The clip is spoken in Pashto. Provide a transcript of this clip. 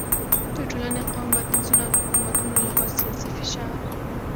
د ټولنې، قوم بندیزونه او د حکومتونو له خوا سیاسي فشار